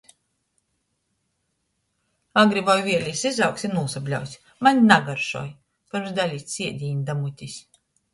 Agri voi vieli jis izaugs i nūsabļaus: "Maņ nagaršoj!", pyrms dalics iedīni da mutis.